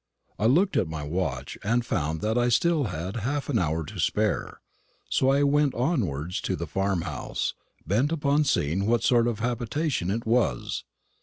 I looked at my watch, and found that I had still half an hour to spare; so I went on towards the farm house, bent upon seeing what sort of habitation it was.